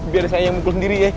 biar saya yang mukul diri ya